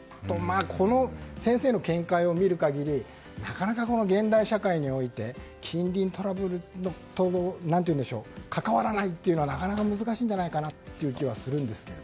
この先生の見解を見る限りなかなか現代社会において近隣トラブル関わらないというのはなかなか難しいんじゃないかなという気はするんですね。